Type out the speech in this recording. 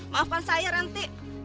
maafkan saya rantik